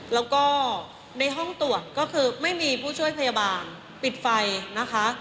แล้วก็ในห้องตรวจก็คือไม่มีผู้ช่วยพยาบาลปิดไฟนะคะ